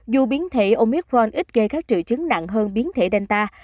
dù biến thể omicron ít gây các trữ chứng nặng hơn biến thể delta